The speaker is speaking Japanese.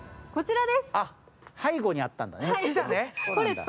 あ、背後にあったんやね。